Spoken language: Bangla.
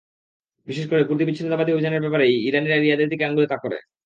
বিশেষ করে, কুর্দি বিচ্ছিন্নতাবাদী অভিযানের ব্যাপারে ইরানিরা রিয়াদের দিকে আঙুল তাক করে।